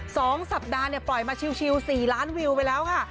สองสัปดาห์เนี่ยปล่อยมาชิวสี่ล้านวิวไปแล้วค่ะ